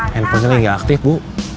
handphone ini nggak aktif bu